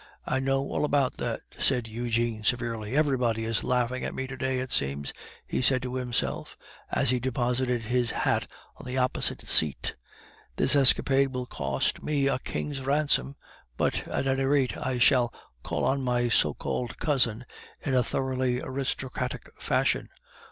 "I know all about that," said Eugene, severely. "Everybody is laughing at me to day, it seems!" he said to himself, as he deposited his hat on the opposite seat. "This escapade will cost me a king's ransom, but, at any rate, I shall call on my so called cousin in a thoroughly aristocratic fashion.